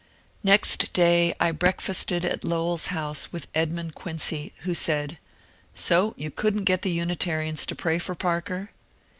Next day I breakfasted at Lowell's house with Edmund Quincy, who said, ^^ So you could n't get the Unitarians to pray for Parker